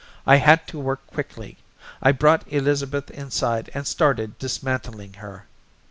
I had to work quickly. I brought Elizabeth inside and started dismantling her.